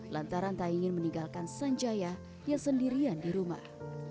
lantaran tak ingin meninggalkan sanjaya yang sendirian di rumah